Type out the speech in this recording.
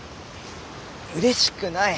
うれしくない。